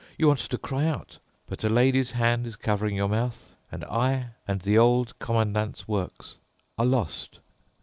You want to cry out. But a lady's hand is covering your mouth, and I and the Old Commandant's work are lost."